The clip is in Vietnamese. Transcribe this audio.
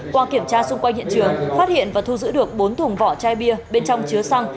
qua kiểm tra xung quanh hiện trường phát hiện và thu giữ được bốn thùng vỏ chai bia bên trong chứa xăng